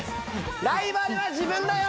ライバルは自分だよ